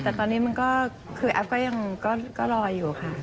แต่ตอนนี้มันก็คือแอฟก็ยังรออยู่ค่ะ